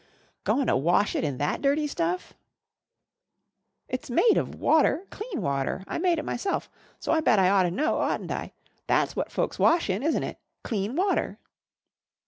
"Goin' to wash it in that dirty stuff?" "It's made of water clean water I made it myself, so I bet I ought to know, oughtn't I? That's what folks wash in, isn't it? clean water?"